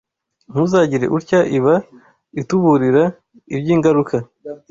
Ntuzagire utya, iba ituburira iby’ingaruka